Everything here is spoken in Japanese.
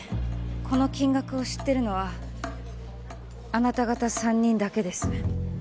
この金額を知ってるのはあなた方３人だけです